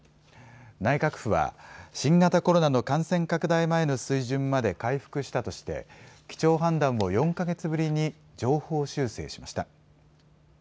内閣府は新型コロナの感染拡大前の水準まで回復したとして基調判断を４か月ぶりに上方修正しました。